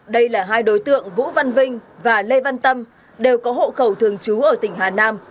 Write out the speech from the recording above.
đây là hai đối tượng vũ văn vinh và lê văn tâm đều có hộ khẩu thường trú ở tỉnh hà nam